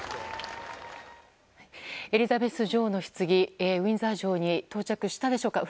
エリザベス女王のひつぎウィンザー城に到着したでしょうか。